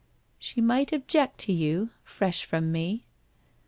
' She might ol/jfcct to you — f resh from me